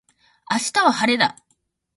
明日は晴れだ。